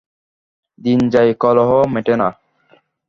দিন যায়, কলহ মেটে না।